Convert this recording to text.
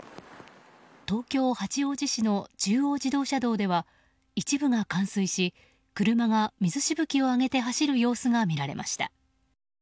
東京・八王子市の中央自動車道では一部が冠水し車が、水しぶきを上げて走る様子が見られました。